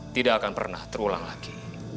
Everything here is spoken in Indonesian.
tidak akan pernah terulang lagi